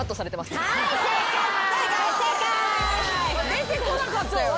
出てこなかったよね。